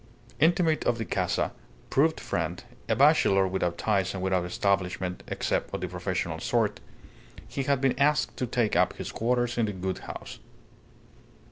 Intimate of the casa, proved friend, a bachelor without ties and without establishment (except of the professional sort), he had been asked to take up his quarters in the Gould house.